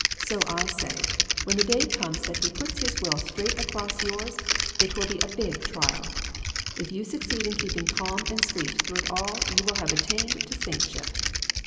So I say, when the day comes that he puts his will straight across yours, it will be a big trial. If you succeed in keeping calm and sweet through it all you will have attained to saintship.